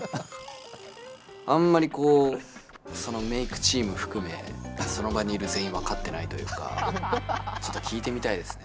メークチーム含めその場にいる全員分かってないというかちょっと聞いてみたいですね。